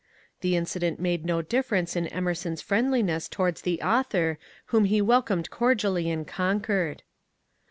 The incident made no difference in Emerson's friendliness towards the author, whom he welcomed cordially in Concord.